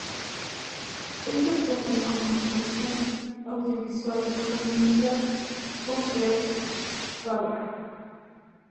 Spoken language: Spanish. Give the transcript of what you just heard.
Es Doctora en Comunicación Audiovisual por la Universidad Pompeu Fabra.